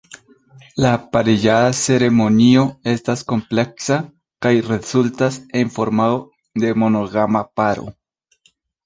La pariĝada ceremonio estas kompleksa kaj rezultas en formado de monogama paro.